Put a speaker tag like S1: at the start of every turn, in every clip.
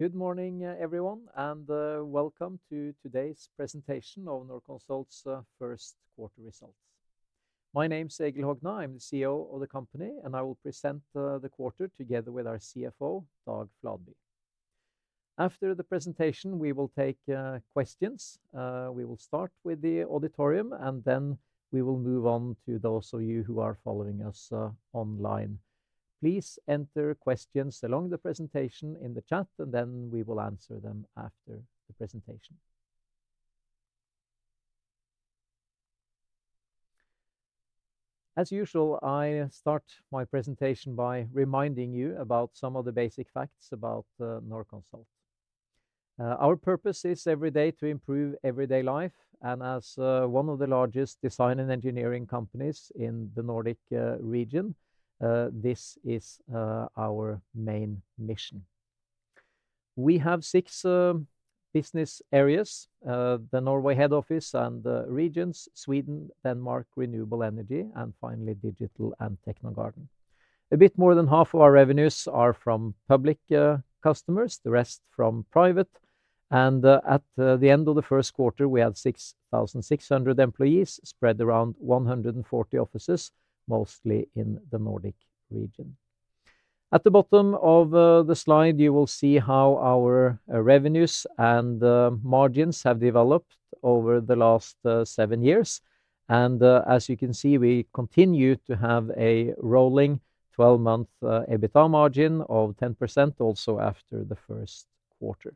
S1: Good morning, everyone, and welcome to today's presentation of Norconsult's first quarter results. My name is Egil Hogna, I'm the CEO of the company, and I will present the quarter together with our CFO, Dag Fladby. After the presentation, we will take questions. We will start with the auditorium, and then we will move on to those of you who are following us online. Please enter questions along the presentation in the chat, and then we will answer them after the presentation. As usual, I start my presentation by reminding you about some of the basic facts about Norconsult. Our purpose is every day to improve everyday life, and as one of the largest design and engineering companies in the Nordic region, this is our main mission. We have six business areas: the Norway head office and regions, Sweden, Denmark, renewable energy, and finally Digital and Technogarden. A bit more than half of our revenues are from public customers, the rest from private, and at the end of the first quarter, we had 6,600 employees spread around 140 offices, mostly in the Nordic region. At the bottom of the slide, you will see how our revenues and margins have developed over the last seven years, and as you can see, we continue to have a rolling 12-month EBITDA margin of 10% also after the first quarter.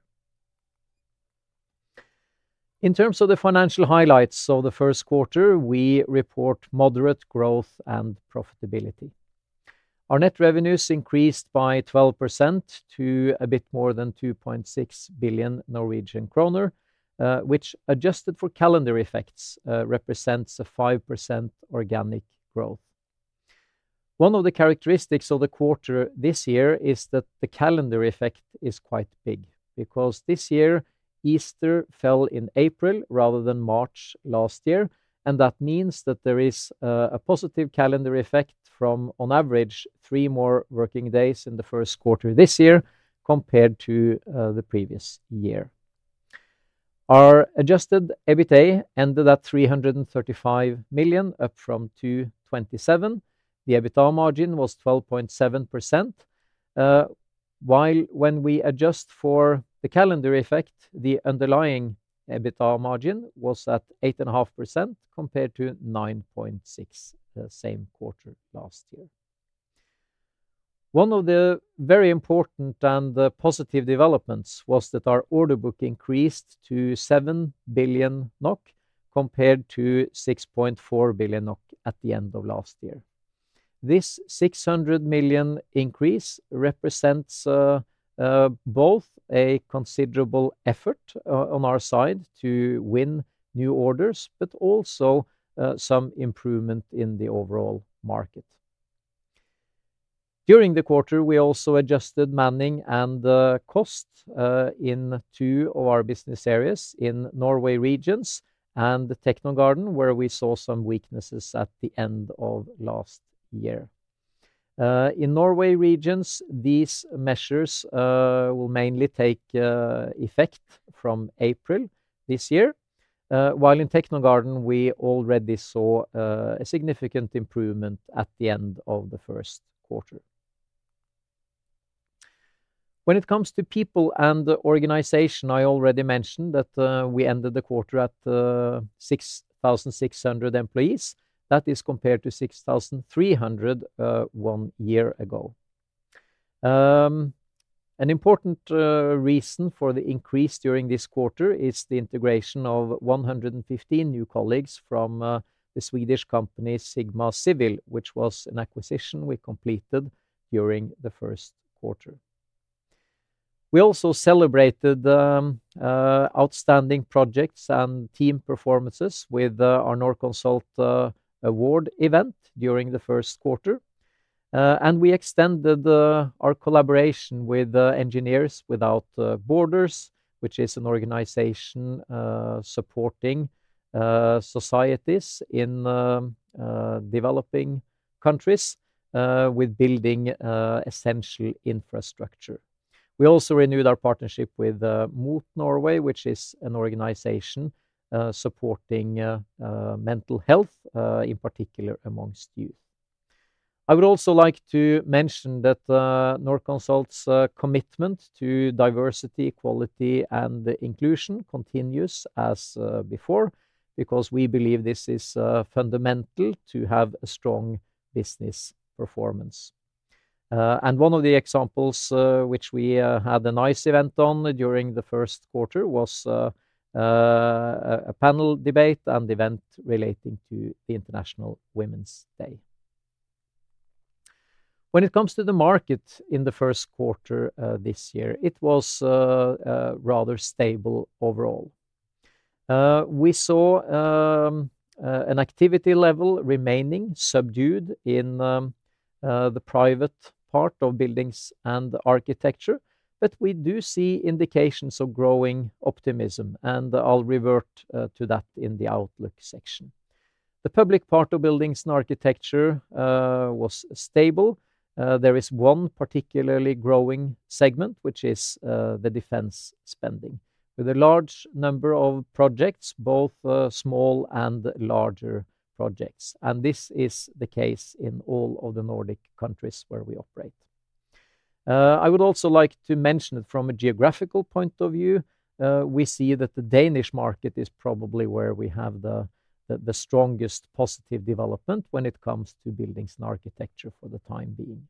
S1: In terms of the financial highlights of the first quarter, we report moderate growth and profitability. Our net revenues increased by 12% to a bit more than 2.6 billion Norwegian kroner, which, adjusted for calendar effects, represents a 5% organic growth. One of the characteristics of the quarter this year is that the calendar effect is quite big, because this year Easter fell in April rather than March last year, and that means that there is a positive calendar effect from, on average, three more working days in the first quarter this year compared to the previous year. Our adjusted EBITA ended at 335 million, up from 227 million. The EBITDA margin was 12.7%, while when we adjust for the calendar effect, the underlying EBITDA margin was at 8.5% compared to 9.6% the same quarter last year. One of the very important and positive developments was that our order book increased to 7 billion NOK compared to 6.4 billion NOK at the end of last year. This 600 million increase represents both a considerable effort on our side to win new orders, but also some improvement in the overall market. During the quarter, we also adjusted manning and cost in two of our business areas in Norway regions and Technogarden, where we saw some weaknesses at the end of last year. In Norway regions, these measures will mainly take effect from April this year, while in Technogarden, we already saw a significant improvement at the end of the first quarter. When it comes to people and the organization, I already mentioned that we ended the quarter at 6,600 employees. That is compared to 6,300 one year ago. An important reason for the increase during this quarter is the integration of 115 new colleagues from the Swedish company Sigma Civil, which was an acquisition we completed during the first quarter. We also celebrated outstanding projects and team performances with our Norconsult Award event during the first quarter, and we extended our collaboration with Engineers Without Borders, which is an organization supporting societies in developing countries with building essential infrastructure. We also renewed our partnership with MOT Norway, which is an organization supporting mental health, in particular amongst youth. I would also like to mention that Norconsult's commitment to diversity, quality, and inclusion continues as before, because we believe this is fundamental to have a strong business performance. One of the examples which we had a nice event on during the first quarter was a panel debate and event relating to the International Women's Day. When it comes to the market in the first quarter this year, it was rather stable overall. We saw an activity level remaining subdued in the private part of buildings and architecture, but we do see indications of growing optimism, and I'll revert to that in the outlook section. The public part of buildings and architecture was stable. There is one particularly growing segment, which is the defense spending, with a large number of projects, both small and larger projects, and this is the case in all of the Nordic countries where we operate. I would also like to mention that from a geographical point of view, we see that the Danish market is probably where we have the strongest positive development when it comes to buildings and architecture for the time being.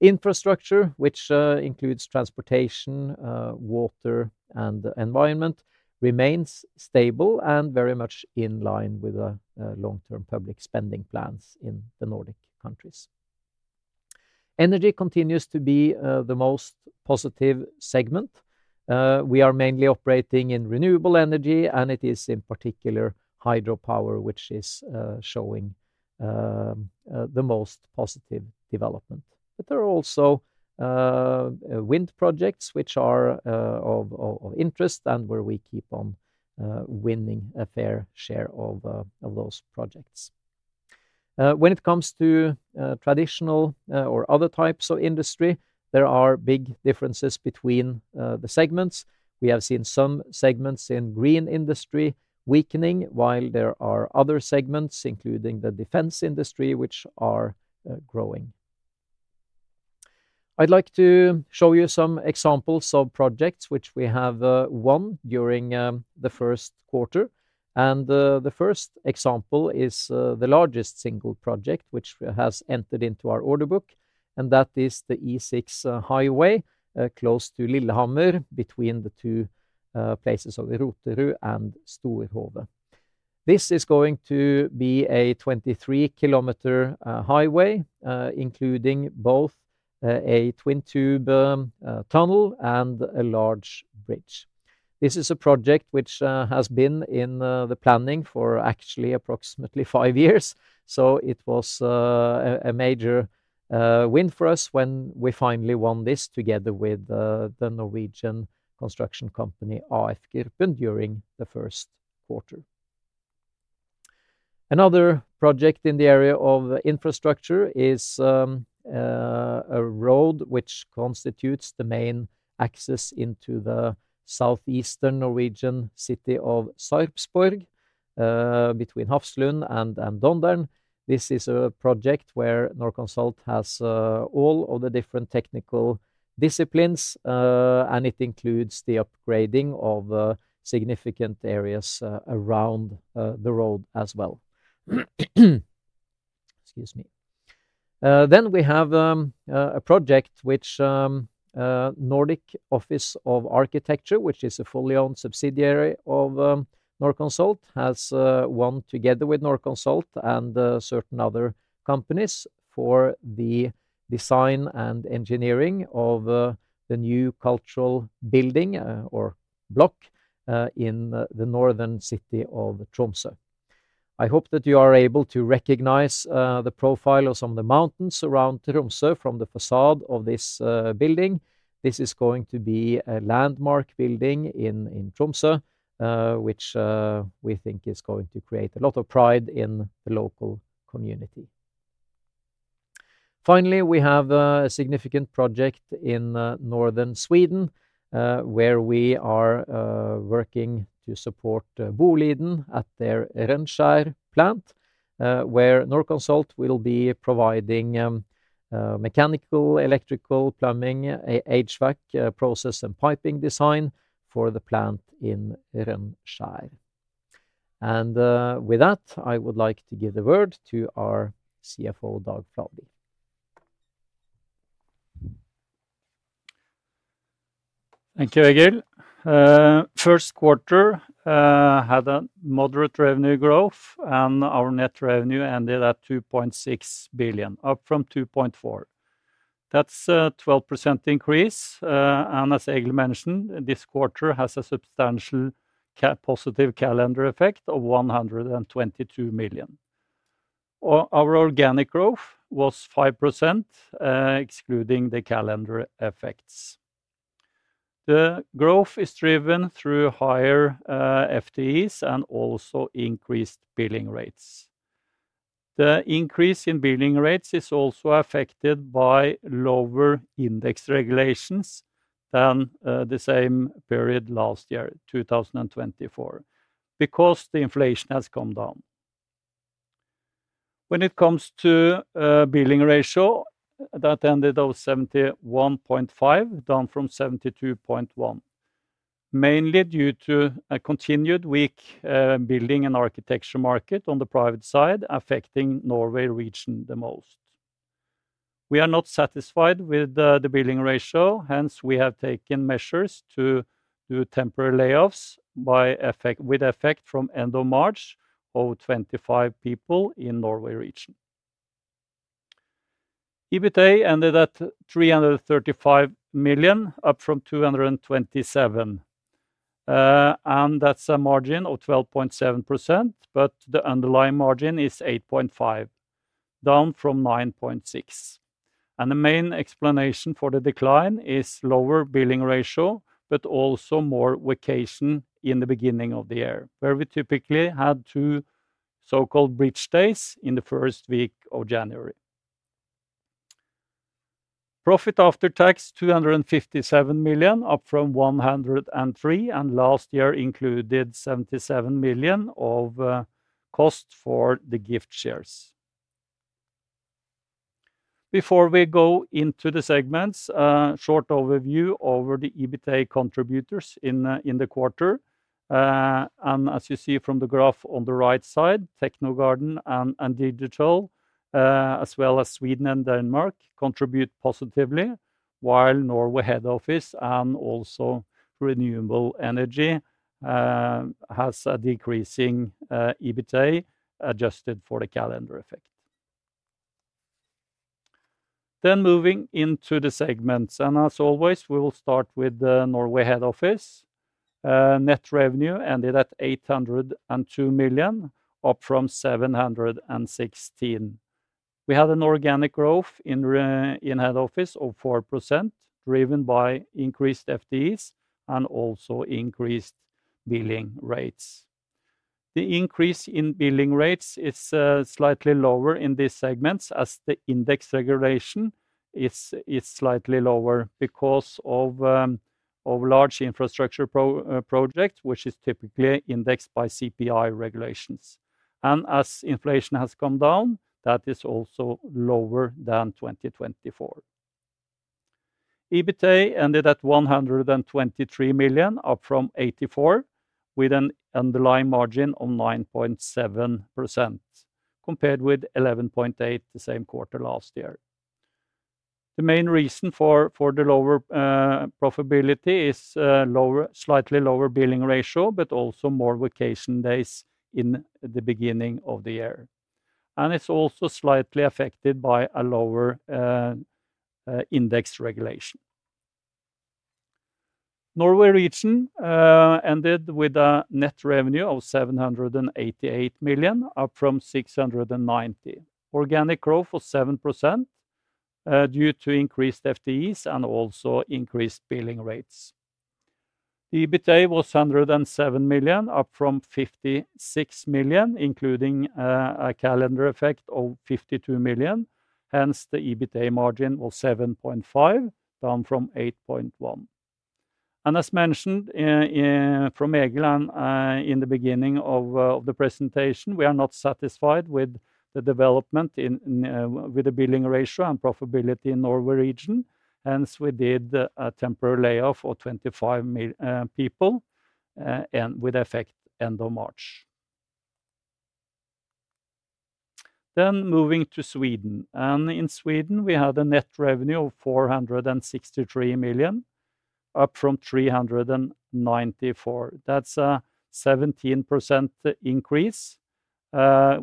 S1: Infrastructure, which includes transportation, water, and environment, remains stable and very much in line with the long-term public spending plans in the Nordic countries. Energy continues to be the most positive segment. We are mainly operating in renewable energy, and it is in particular hydropower, which is showing the most positive development. There are also wind projects, which are of interest and where we keep on winning a fair share of those projects. When it comes to traditional or other types of industry, there are big differences between the segments. We have seen some segments in the green industry weakening, while there are other segments, including the defense industry, which are growing. I'd like to show you some examples of projects which we have won during the first quarter, and the first example is the largest single project which has entered into our order book, and that is the E6 highway close to Lillehammer between the two places of Roterud and Storhove. This is going to be a 23 km highway, including both a twin-tube tunnel and a large bridge. This is a project which has been in the planning for actually approximately five years, so it was a major win for us when we finally won this together with the Norwegian construction company AF Gruppen during the first quarter. Another project in the area of infrastructure is a road which constitutes the main access into the southeastern Norwegian city of Sarpsborg between Hafslund and Dondern. This is a project where Norconsult has all of the different technical disciplines, and it includes the upgrading of significant areas around the road as well. We have a project which the Nordic Office of Architecture, which is a fully-owned subsidiary of Norconsult, has won together with Norconsult and certain other companies for the design and engineering of the new cultural building or block in the northern city of Tromsø. I hope that you are able to recognize the profile of some of the mountains around Tromsø from the facade of this building. This is going to be a landmark building in Tromsø, which we think is going to create a lot of pride in the local community. Finally, we have a significant project in northern Sweden where we are working to support Boliden at their Rönnskär plant, where Norconsult will be providing mechanical, electrical, plumbing, HVAC process, and piping design for the plant in Rönnskär. With that, I would like to give the word to our CFO, Dag Fladby.
S2: Thank you, Egil. First quarter had a moderate revenue growth, and our net revenue ended at 2.6 billion, up from 2.4 billion. That's a 12% increase, and as Egil mentioned, this quarter has a substantial positive calendar effect of 122 million. Our organic growth was 5%, excluding the calendar effects. The growth is driven through higher FTEs and also increased billing rates. The increase in billing rates is also affected by lower index regulations than the same period last year, 2024, because the inflation has come down. When it comes to billing ratio, that ended at 71.5%, down from 72.1%, mainly due to a continued weak building and architecture market on the private side affecting Norway region the most. We are not satisfied with the billing ratio, hence we have taken measures to do temporary layoffs with effect from end of March of 25 people in Norway region. EBITA ended at 335 million, up from 227 million, and that's a margin of 12.7%, but the underlying margin is 8.5%, down from 9.6%. The main explanation for the decline is lower billing ratio, but also more vacation in the beginning of the year, where we typically had two so-called bridge days in the first week of January. Profit after tax: 257 million, up from 103 million, and last year included 77 million of cost for the gift shares. Before we go into the segments, a short overview over the EBITA contributors in the quarter, and as you see from the graph on the right side, Technogarden and Digital, as well as Sweden and Denmark, contribute positively, while Norway head office and also renewable energy has a decreasing EBITA adjusted for the calendar effect. Moving into the segments, and as always, we will start with the Norway head office. Net revenue ended at 802 million, up from 716 million. We had an organic growth in head office of 4%, driven by increased FTEs and also increased billing rates. The increase in billing rates is slightly lower in these segments as the index regulation is slightly lower because of large infrastructure projects, which is typically indexed by CPI regulations. As inflation has come down, that is also lower than 2024. EBITA ended at 123 million, up from 84 million, with an underlying margin of 9.7% compared with 11.8% the same quarter last year. The main reason for the lower profitability is a slightly lower billing ratio, but also more vacation days in the beginning of the year. It is also slightly affected by a lower index regulation. Norway region ended with a net revenue of 788 million, up from 690 million. Organic growth was 7% due to increased FTEs and also increased billing rates. The EBITA was 107 million, up from 56 million, including a calendar effect of 52 million. Hence, the EBITA margin was 7.5%, down from 8.1%. As mentioned from Egil in the beginning of the presentation, we are not satisfied with the development with the billing ratio and profitability in the Norway region. Hence, we did a temporary layoff of 25 people with effect end of March. Moving to Sweden, in Sweden, we had a net revenue of 463 million, up from 394 million. That is a 17% increase,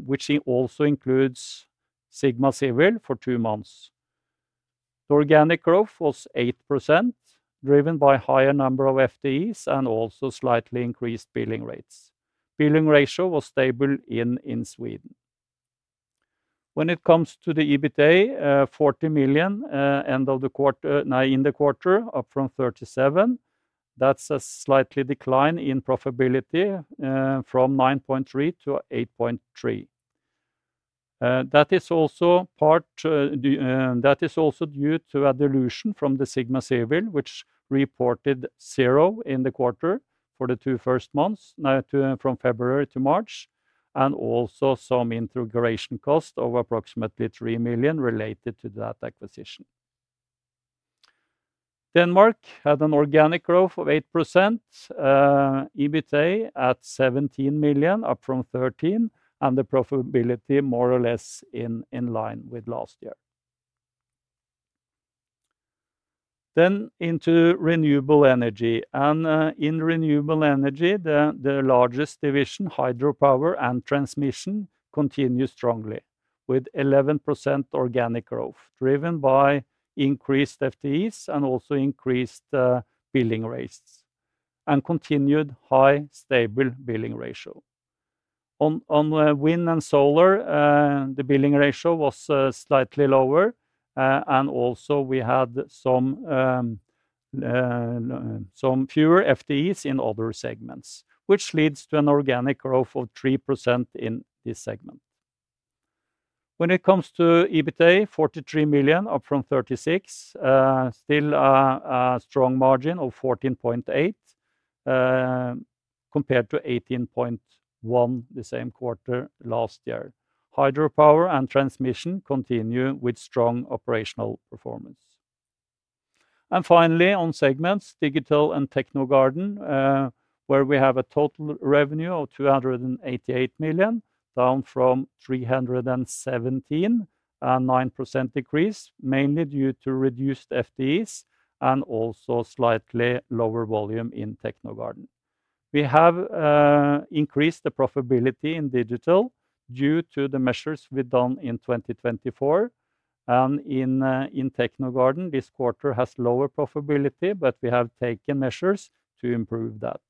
S2: which also includes Sigma Civil for two months. The organic growth was 8%, driven by a higher number of FTEs and also slightly increased billing rates. Billing ratio was stable in Sweden. When it comes to the EBITA, 40 million end of the quarter, in the quarter, up from 37 million. That's a slight decline in profitability from 9.3% to 8.3%. That is also due to a dilution from Sigma Civil, which reported zero in the quarter for the two first months from February to March, and also some integration cost of approximately 3 million related to that acquisition. Denmark had an organic growth of 8%, EBITA at 17 million, up from 13 million, and the profitability more or less in line with last year. Into renewable energy, and in renewable energy, the largest division, hydropower and transmission, continues strongly with 11% organic growth, driven by increased FTEs and also increased billing rates and continued high stable billing ratio. On wind and solar, the billing ratio was slightly lower, and also we had some fewer FTEs in other segments, which leads to an organic growth of 3% in this segment. When it comes to EBITA, 43 million, up from 36 million, still a strong margin of 14.8% compared to 18.1% the same quarter last year. Hydropower and transmission continue with strong operational performance. Finally, on segments, Digital and Technogarden, where we have a total revenue of 288 million, down from 317 million, a 9% decrease, mainly due to reduced FTEs and also slightly lower volume in Technogarden. We have increased the profitability in Digital due to the measures we have done in 2024, and in Technogarden, this quarter has lower profitability, but we have taken measures to improve that.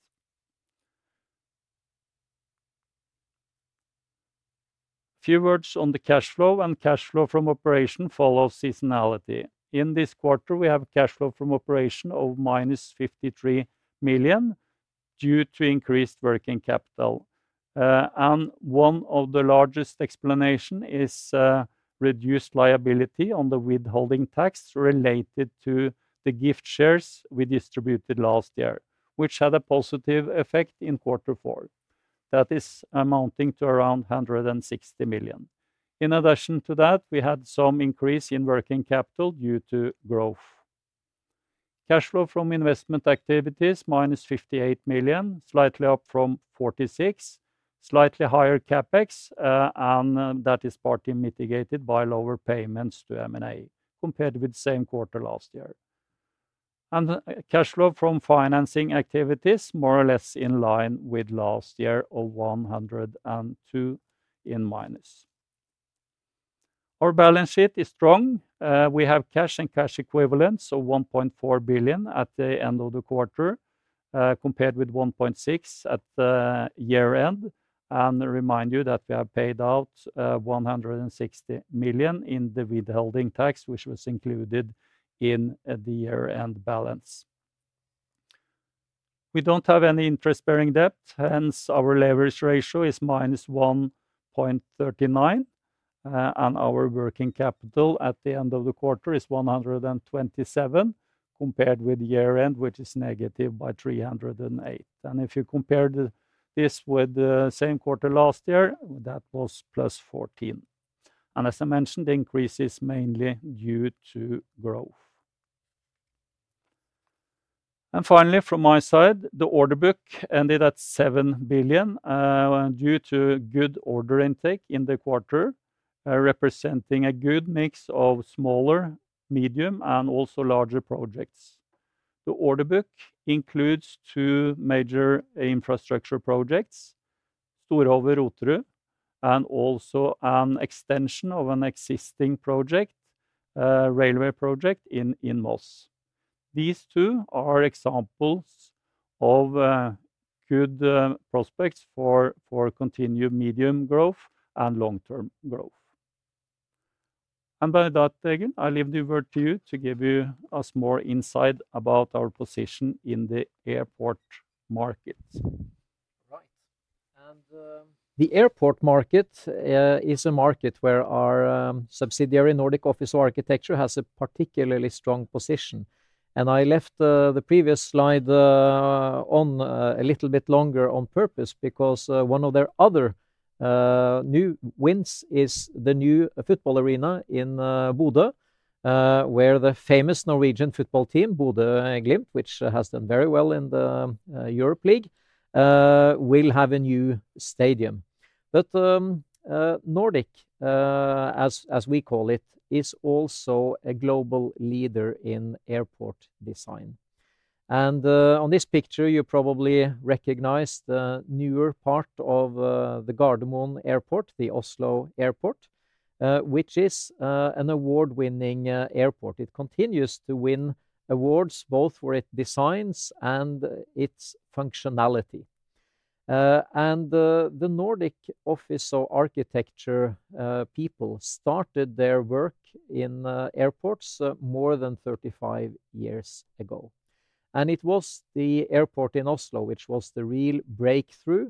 S2: A few words on the cash flow, and cash flow from operation follows seasonality. In this quarter, we have cash flow from operation of -53 million due to increased working capital. One of the largest explanations is reduced liability on the withholding tax related to the gift shares we distributed last year, which had a positive effect in quarter four. That is amounting to around 160 million. In addition to that, we had some increase in working capital due to growth. Cash flow from investment activities, -58 million, slightly up from 46 million, slightly higher CapEx, and that is partly mitigated by lower payments to M&A compared with the same quarter last year. Cash flow from financing activities, more or less in line with last year of -102 million. Our balance sheet is strong. We have cash and cash equivalents of 1.4 billion at the end of the quarter compared with 1.6 billion at year-end, and remind you that we have paid out 160 million in the withholding tax, which was included in the year-end balance. We do not have any interest-bearing debt. Hence, our leverage ratio is minus 1.39, and our working capital at the end of the quarter is 127 million compared with year-end, which is negative by 308 million. If you compare this with the same quarter last year, that was +14 million. As I mentioned, the increase is mainly due to growth. Finally, from my side, the order book ended at 7 billion due to good order intake in the quarter, representing a good mix of smaller, medium, and also larger projects. The order book includes two major infrastructure projects, Storhove, Roterud, and also an extension of an existing project, a railway project in Moss. These two are examples of good prospects for continued medium growth and long-term growth. By that, Egil, I leave the word to you to give you a small insight about our position in the airport market.
S1: Right. The airport market is a market where our subsidiary Nordic Office of Architecture has a particularly strong position. I left the previous slide on a little bit longer on purpose because one of their other new wins is the new football arena in Bodø, where the famous Norwegian football team, Bodø Glimt, which has done very well in the Europe League, will have a new stadium. Nordic, as we call it, is also a global leader in airport design. On this picture, you probably recognize the newer part of the Gardermoen Airport, the Oslo Airport, which is an award-winning airport. It continues to win awards both for its designs and its functionality. The Nordic Office of Architecture people started their work in airports more than 35 years ago. It was the airport in Oslo, which was the real breakthrough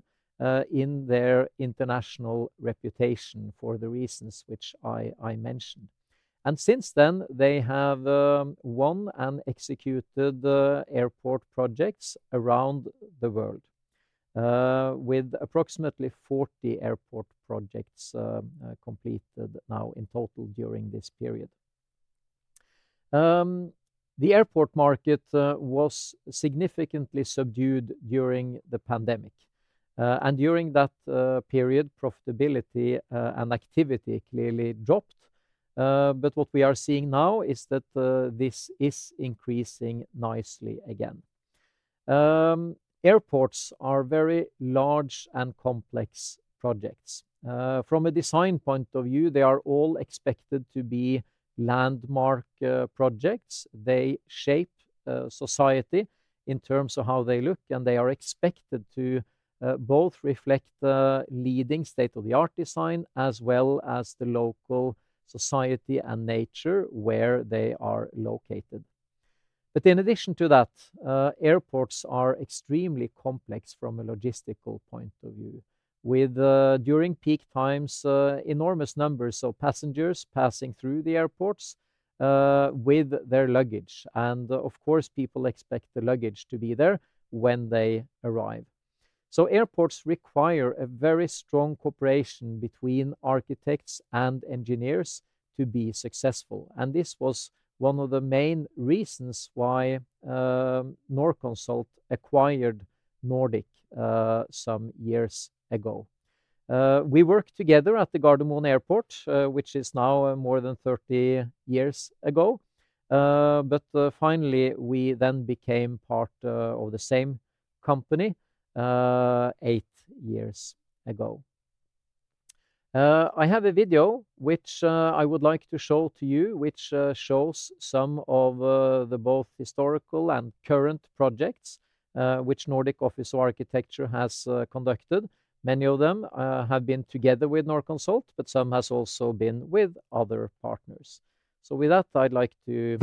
S1: in their international reputation for the reasons which I mentioned. Since then, they have won and executed airport projects around the world with approximately 40 airport projects completed now in total during this period. The airport market was significantly subdued during the pandemic. During that period, profitability and activity clearly dropped. What we are seeing now is that this is increasing nicely again. Airports are very large and complex projects. From a design point of view, they are all expected to be landmark projects. They shape society in terms of how they look, and they are expected to both reflect leading state-of-the-art design as well as the local society and nature where they are located. In addition to that, airports are extremely complex from a logistical point of view, with during peak times, enormous numbers of passengers passing through the airports with their luggage. Of course, people expect the luggage to be there when they arrive. Airports require a very strong cooperation between architects and engineers to be successful. This was one of the main reasons why Norconsult acquired Nordic some years ago. We worked together at the Gardermoen Airport, which is now more than 30 years ago. Finally, we then became part of the same company eight years ago. I have a video which I would like to show to you, which shows some of the both historical and current projects which Nordic Office of Architecture has conducted. Many of them have been together with Norconsult, but some have also been with other partners. With that, I'd like to.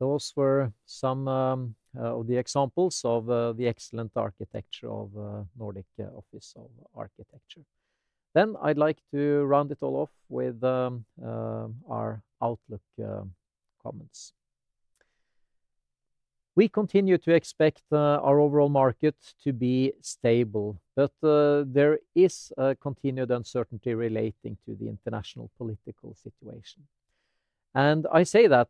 S1: Those were some of the examples of the excellent architecture of Nordic Office of Architecture. I'd like to round it all off with our outlook comments. We continue to expect our overall market to be stable, but there is a continued uncertainty relating to the international political situation. I say that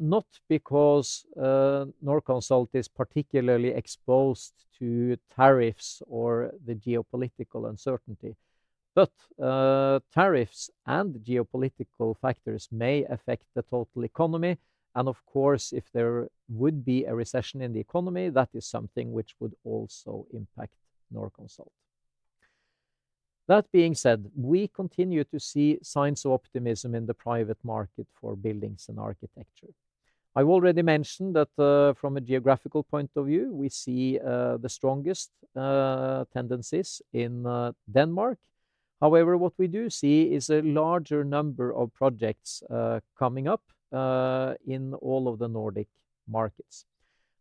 S1: not because Norconsult is particularly exposed to tariffs or the geopolitical uncertainty, but tariffs and geopolitical factors may affect the total economy. Of course, if there would be a recession in the economy, that is something which would also impact Norconsult. That being said, we continue to see signs of optimism in the private market for buildings and architecture. I've already mentioned that from a geographical point of view, we see the strongest tendencies in Denmark. However, what we do see is a larger number of projects coming up in all of the Nordic markets.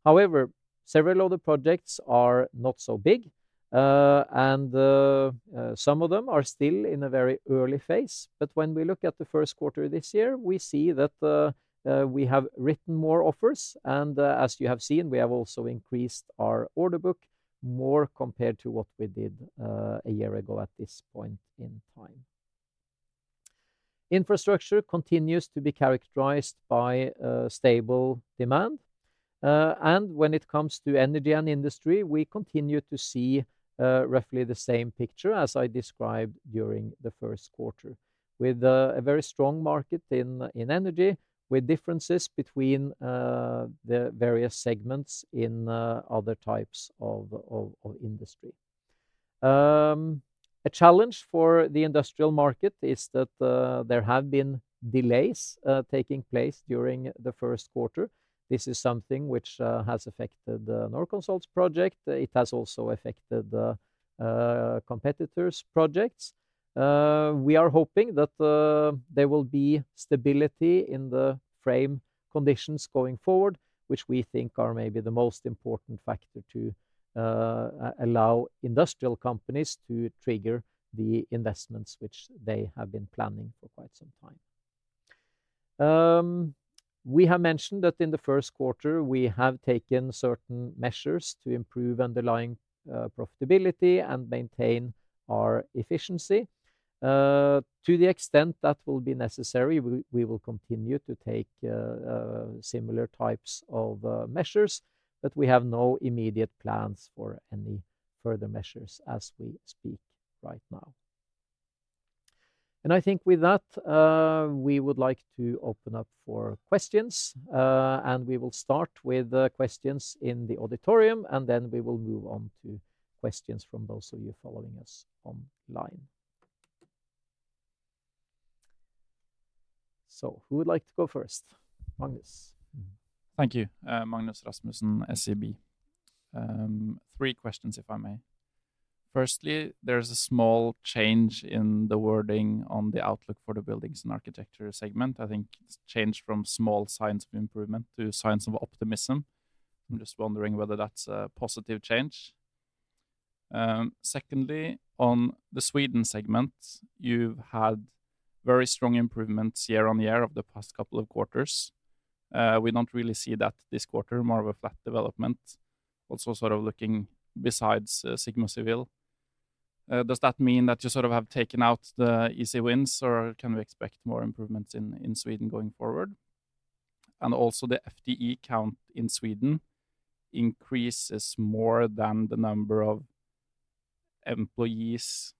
S1: However, several of the projects are not so big, and some of them are still in a very early phase. When we look at the first quarter of this year, we see that we have written more offers. As you have seen, we have also increased our order book more compared to what we did a year ago at this point in time. Infrastructure continues to be characterized by stable demand. When it comes to energy and industry, we continue to see roughly the same picture as I described during the first quarter, with a very strong market in energy, with differences between the various segments in other types of industry. A challenge for the industrial market is that there have been delays taking place during the first quarter. This is something which has affected Norconsult's project. It has also affected competitors' projects. We are hoping that there will be stability in the frame conditions going forward, which we think are maybe the most important factor to allow industrial companies to trigger the investments which they have been planning for quite some time. We have mentioned that in the first quarter, we have taken certain measures to improve underlying profitability and maintain our efficiency. To the extent that will be necessary, we will continue to take similar types of measures, but we have no immediate plans for any further measures as we speak right now. I think with that, we would like to open up for questions. We will start with questions in the auditorium, and then we will move on to questions from those of you following us online. Who would like to go first? Magnus.
S3: Thank you. Magnus Rasmussen, SEB. Three questions, if I may. Firstly, there's a small change in the wording on the outlook for the buildings and architecture segment. I think it's changed from small signs of improvement to signs of optimism. I'm just wondering whether that's a positive change. Secondly, on the Sweden segment, you've had very strong improvements year on year over the past couple of quarters. We don't really see that this quarter, more of a flat development. Also sort of looking besides Sigma Civil. Does that mean that you sort of have taken out the easy wins, or can we expect more improvements in Sweden going forward? Also the FTE count in Sweden increases more than the number of employees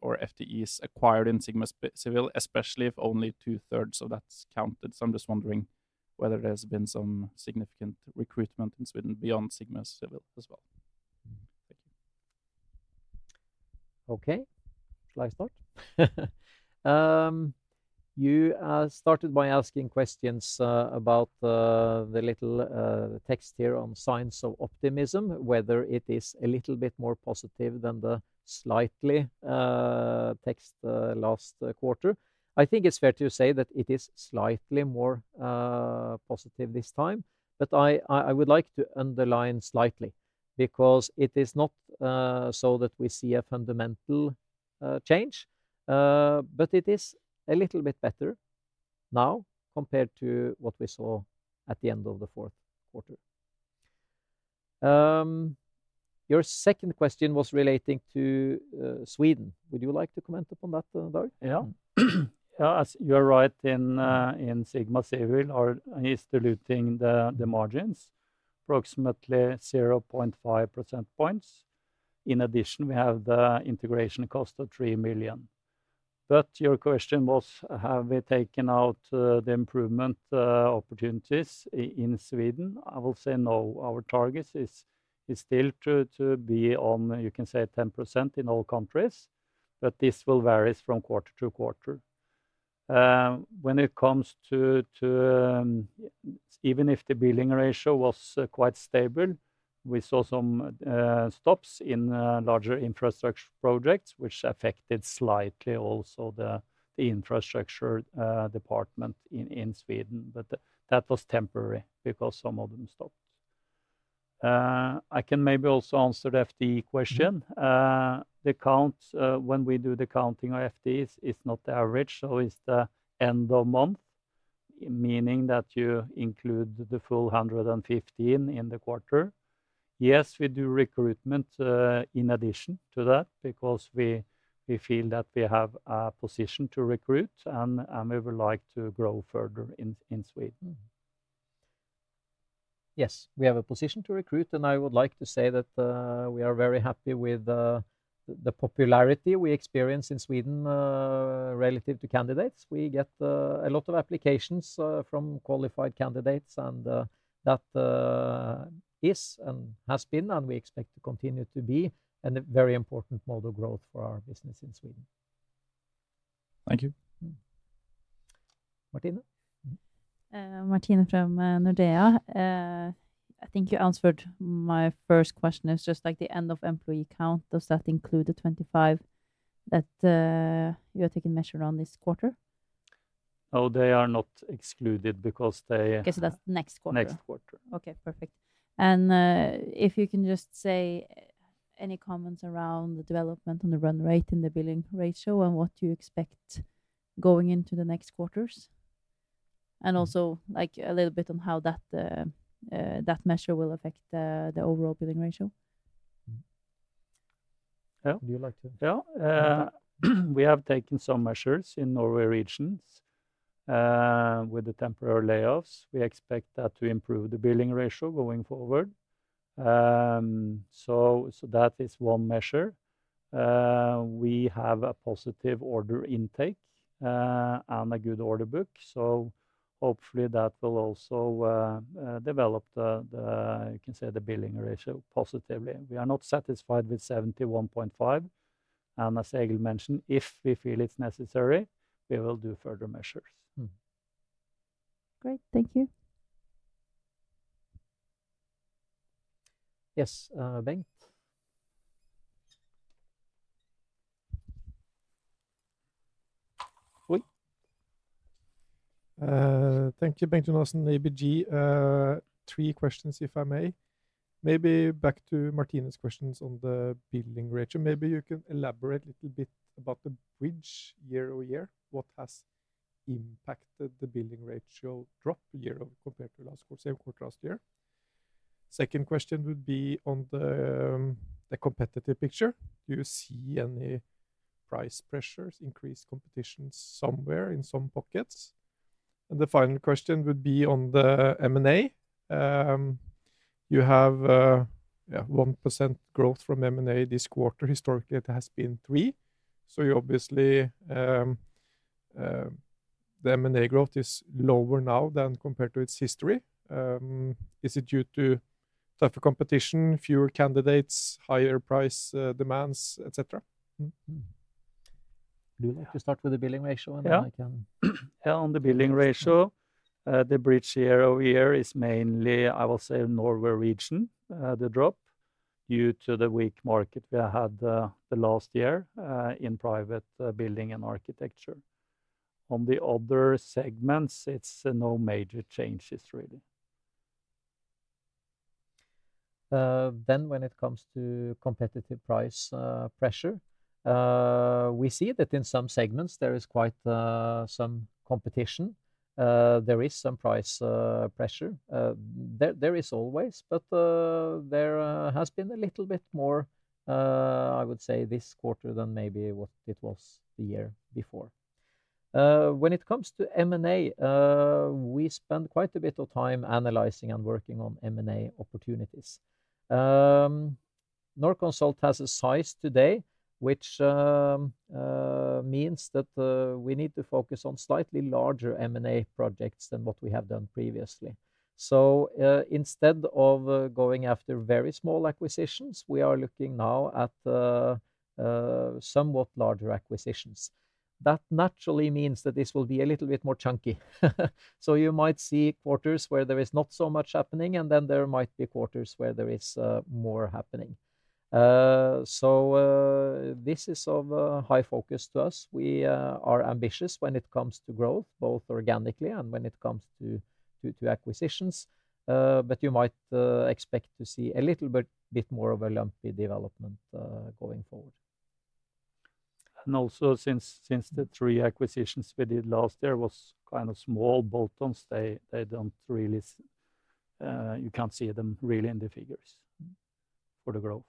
S3: or FTEs acquired in Sigma Civil, especially if only two-thirds of that counted. I'm just wondering whether there's been some significant recruitment in Sweden beyond Sigma Civil as well? Thank you.
S1: Okay. Shall I start? You started by asking questions about the little text here on signs of optimism, whether it is a little bit more positive than the slightly text last quarter. I think it's fair to say that it is slightly more positive this time, but I would like to underline slightly because it is not so that we see a fundamental change, but it is a little bit better now compared to what we saw at the end of the fourth quarter. Your second question was relating to Sweden. Would you like to comment upon that, Dag?
S2: Yeah. As you are right, in Sigma Civil, we are diluting the margins, approximately 0.5 percentage points. In addition, we have the integration cost of 3 million. Your question was, have we taken out the improvement opportunities in Sweden? I will say no. Our target is still to be on, you can say, 10% in all countries, but this will vary from quarter to quarter. When it comes to, even if the billing ratio was quite stable, we saw some stops in larger infrastructure projects, which affected slightly also the infrastructure department in Sweden. That was temporary because some of them stopped. I can maybe also answer the FTE question. The count, when we do the counting of FTEs, is not average, so it is the end of month, meaning that you include the full 115 in the quarter. Yes, we do recruitment in addition to that because we feel that we have a position to recruit and we would like to grow further in Sweden.
S1: Yes, we have a position to recruit, and I would like to say that we are very happy with the popularity we experience in Sweden relative to candidates. We get a lot of applications from qualified candidates, and that is and has been, and we expect to continue to be a very important model growth for our business in Sweden.
S3: Thank you.
S1: Martine?
S4: Martine from Nordea. I think you answered my first question. It's just like the end of employee count, does that include the 25 that you are taking measure on this quarter?
S2: Oh, they are not excluded because they.
S4: Okay, so that's next quarter.
S2: Next quarter.
S4: Okay, perfect. If you can just say any comments around the development and the run rate in the billing ratio and what you expect going into the next quarters, and also a little bit on how that measure will affect the overall billing ratio.
S1: Yeah, would you like to?
S2: Yeah. We have taken some measures in Norway regions with the temporary layoffs. We expect that to improve the billing ratio going forward. That is one measure. We have a positive order intake and a good order book. Hopefully that will also develop the, you can say, the billing ratio positively. We are not satisfied with 71.5%. As Egil mentioned, if we feel it's necessary, we will do further measures.
S4: Great. Thank you.
S1: Yes, Bengt?
S5: Thank you, Bengt Jonassen, ABG. Three questions, if I may. Maybe back to Martina's questions on the billing ratio. Maybe you can elaborate a little bit about the bridge year-over-year. What has impacted the billing ratio drop year over year compared to last quarter, same quarter last year? Second question would be on the competitive picture. Do you see any price pressures, increased competition somewhere in some pockets? The final question would be on the M&A. You have 1% growth from M&A this quarter. Historically, it has been three. Obviously, the M&A growth is lower now than compared to its history. Is it due to tougher competition, fewer candidates, higher price demands, etc.?
S1: Do you like to start with the billing ratio and then I can?
S2: Yeah. On the billing ratio, the bridge year-over-year is mainly, I will say, Norway region, the drop due to the weak market we had the last year in private building and architecture. On the other segments, it's no major changes, really.
S1: When it comes to competitive price pressure, we see that in some segments there is quite some competition. There is some price pressure. There is always, but there has been a little bit more, I would say, this quarter than maybe what it was the year before. When it comes to M&A, we spend quite a bit of time analyzing and working on M&A opportunities. Norconsult has a size today, which means that we need to focus on slightly larger M&A projects than what we have done previously. Instead of going after very small acquisitions, we are looking now at somewhat larger acquisitions. That naturally means that this will be a little bit more chunky. You might see quarters where there is not so much happening, and then there might be quarters where there is more happening. This is of high focus to us. We are ambitious when it comes to growth, both organically and when it comes to acquisitions. You might expect to see a little bit more of a lumpy development going forward.
S2: Since the three acquisitions we did last year was kind of small bolt-ons, they don't really, you can't see them really in the figures for the growth.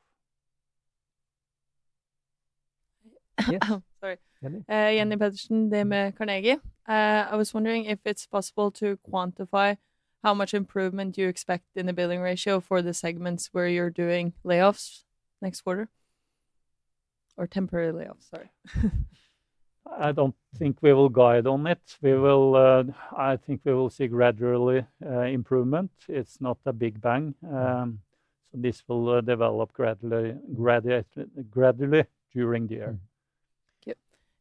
S6: Yes, sorry. Jenny Pedersen, DNB Markets Carnegie. I was wondering if it's possible to quantify how much improvement you expect in the billing ratio for the segments where you're doing layoffs next quarter or temporary layoffs, sorry.
S2: I don't think we will guide on it. I think we will see gradually improvement. It's not a big bang. This will develop gradually during the year.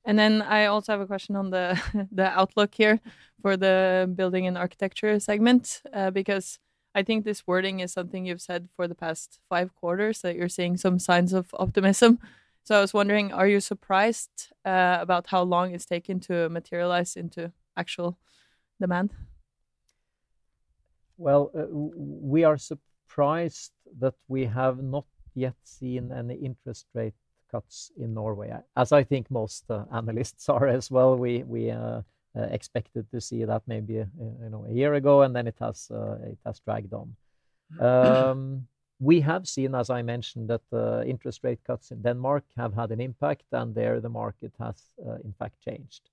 S6: Thank you. I also have a question on the outlook here for the building and architecture segment because I think this wording is something you've said for the past five quarters that you're seeing some signs of optimism. I was wondering, are you surprised about how long it's taken to materialize into actual demand?
S1: We are surprised that we have not yet seen any interest rate cuts in Norway, as I think most analysts are as well. We expected to see that maybe a year ago, and then it has dragged on. We have seen, as I mentioned, that interest rate cuts in Denmark have had an impact, and there the market has in fact changed.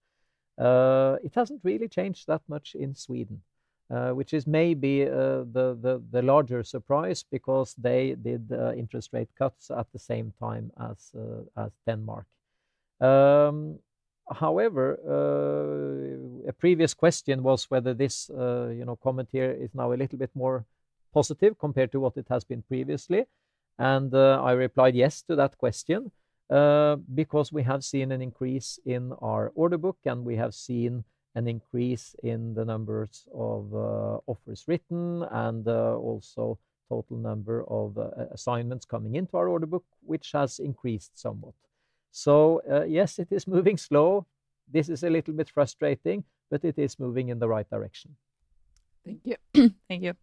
S1: It has not really changed that much in Sweden, which is maybe the larger surprise because they did interest rate cuts at the same time as Denmark. However, a previous question was whether this comment here is now a little bit more positive compared to what it has been previously. I replied yes to that question because we have seen an increase in our order book, and we have seen an increase in the number of offers written and also total number of assignments coming into our order book, which has increased somewhat. Yes, it is moving slow. This is a little bit frustrating, but it is moving in the right direction.
S6: Thank you. Thank you.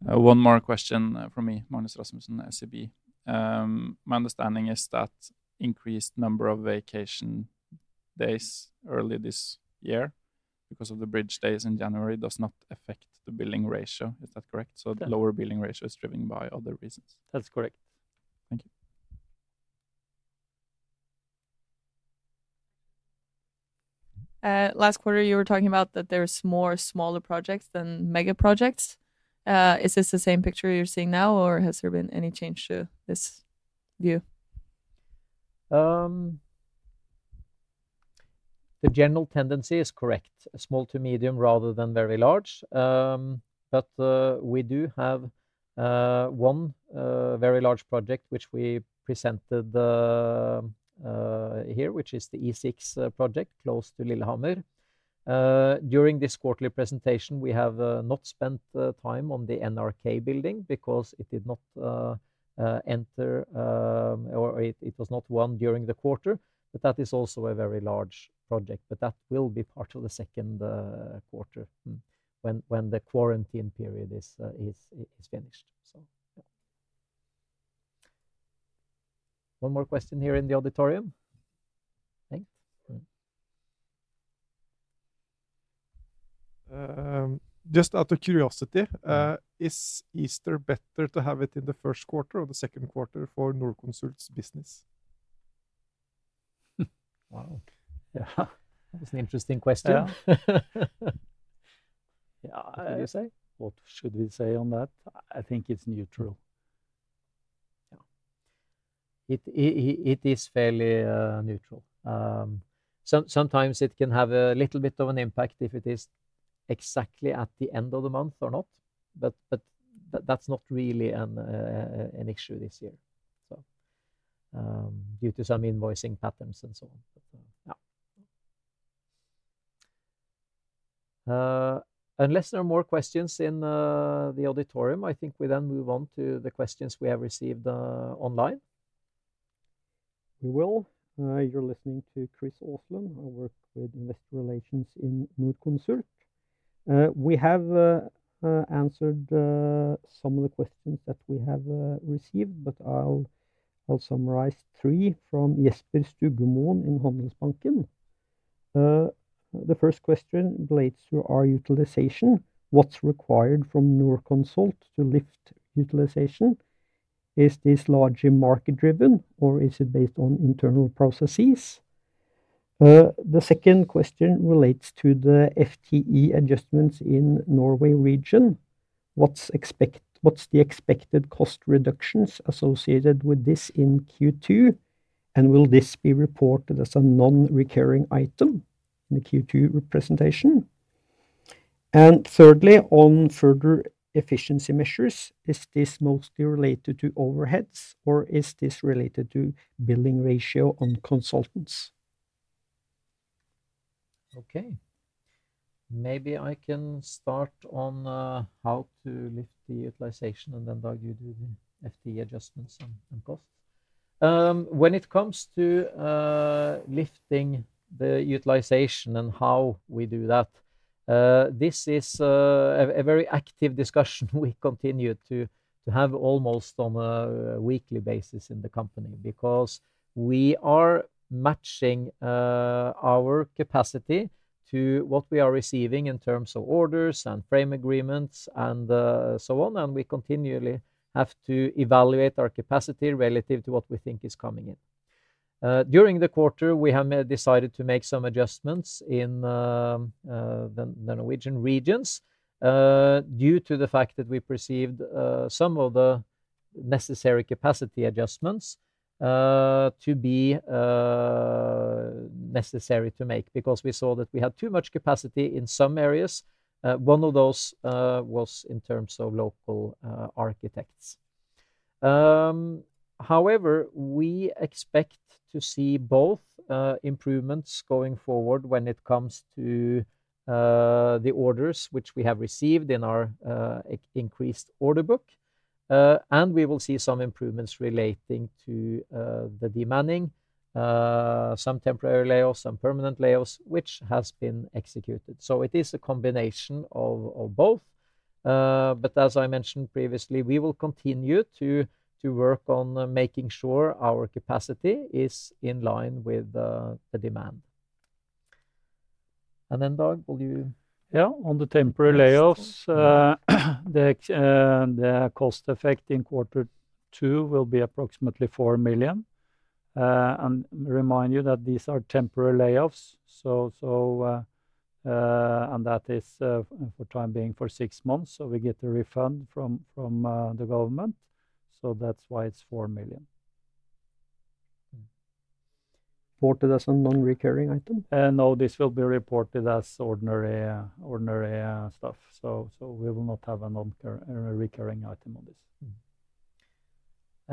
S3: One more question from me, Magnus Rasmussen, SEB. My understanding is that increased number of vacation days early this year because of the bridge days in January does not affect the billing ratio. Is that correct? So the lower billing ratio is driven by other reasons.
S2: That's correct.
S3: Thank you.
S6: Last quarter, you were talking about that there's more smaller projects than mega projects. Is this the same picture you're seeing now, or has there been any change to this view?
S1: The general tendency is correct, small to medium rather than very large. We do have one very large project, which we presented here, which is the E6 project close to Lillehammer. During this quarterly presentation, we have not spent time on the NRK building because it did not enter, or it was not won during the quarter, but that is also a very large project. That will be part of the second quarter when the quarantine period is finished. Yeah. One more question here in the auditorium. Thanks.
S5: Just out of curiosity, is Easter better to have it in the first quarter or the second quarter for Norconsult's business?
S1: Wow. Yeah. That was an interesting question. Yeah. What should we say on that? I think it's neutral. Yeah. It is fairly neutral. Sometimes it can have a little bit of an impact if it is exactly at the end of the month or not, but that's not really an issue this year due to some invoicing patterns and so on. Yeah. Unless there are more questions in the auditorium, I think we then move on to the questions we have received online.
S7: We will. You're listening to Chris Oslund. I work with investor relations in Norconsult. We have answered some of the questions that we have received, but I'll summarize three from Jesper Stugemo in Handelsbanken. The first question relates to our utilization. What's required from Norconsult to lift utilization? Is this largely market-driven, or is it based on internal processes? The second question relates to the FTE adjustments in Norway region. What's the expected cost reductions associated with this in Q2, and will this be reported as a non-recurring item in the Q2 presentation? And thirdly, on further efficiency measures, is this mostly related to overheads, or is this related to billing ratio on consultants?
S1: Okay. Maybe I can start on how to lift the utilization and then Dag, you do the FTE adjustments and costs. When it comes to lifting the utilization and how we do that, this is a very active discussion we continue to have almost on a weekly basis in the company because we are matching our capacity to what we are receiving in terms of orders and frame agreements and so on, and we continually have to evaluate our capacity relative to what we think is coming in. During the quarter, we have decided to make some adjustments in the Norwegian regions due to the fact that we perceived some of the necessary capacity adjustments to be necessary to make because we saw that we had too much capacity in some areas. One of those was in terms of local architects. However, we expect to see both improvements going forward when it comes to the orders, which we have received in our increased order book, and we will see some improvements relating to the demanding, some temporary layoffs, some permanent layoffs, which has been executed. It is a combination of both. As I mentioned previously, we will continue to work on making sure our capacity is in line with the demand. Dag, will you?
S2: Yeah. On the temporary layoffs, the cost effect in quarter two will be approximately 4 million. I remind you that these are temporary layoffs, and that is for the time being for six months. We get a refund from the government. That is why it is NOK 4 million.
S7: Reported as a non-recurring item?
S2: No, this will be reported as ordinary stuff. So we will not have a recurring item on this.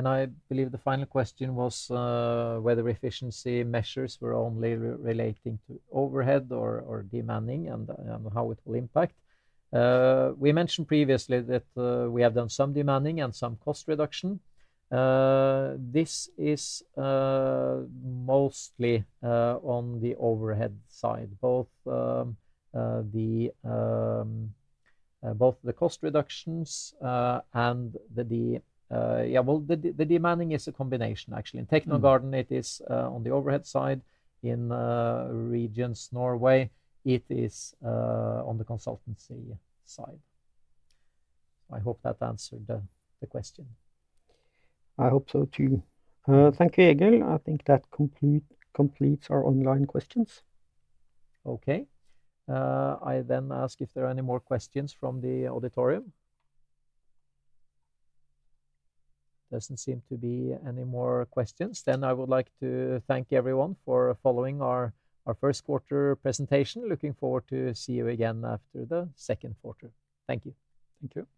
S1: I believe the final question was whether efficiency measures were only relating to overhead or demanding and how it will impact. We mentioned previously that we have done some demanding and some cost reduction. This is mostly on the overhead side, both the cost reductions and the, yeah, well, the demanding is a combination, actually. In Technogarden, it is on the overhead side. In regions Norway, it is on the consultancy side. I hope that answered the question.
S7: I hope so too. Thank you, Egil. I think that completes our online questions.
S1: Okay. I then ask if there are any more questions from the auditorium. Doesn't seem to be any more questions. Then I would like to thank everyone for following our first quarter presentation. Looking forward to see you again after the second quarter. Thank you.
S2: Thank you.